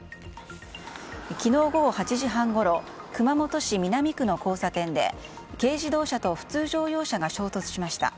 昨日午後８時半ごろ熊本市南区の交差点で軽自動車と普通乗用車が衝突しました。